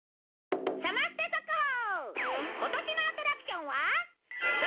サマステ速報！